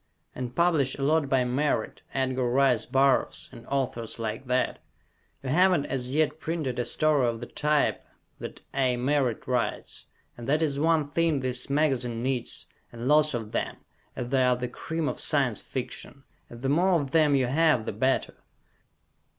And publish a lot by Merritt, Edgar Rice Burroughs, and authors like that; you haven't as yet printed a story of the type that A. Merritt writes, and that is one thing this magazine needs, and lots of them, as they are the cream of Science Fiction, and the more of them you have, the better!